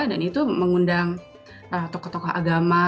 dan itu mengundang tokoh tokoh agama